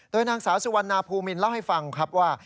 นางสาวสุวรรณาภูมินเล่าให้ฟังครับว่า